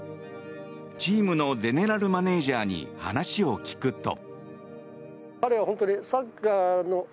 チームのゼネラルマネジャーに話を聞くと。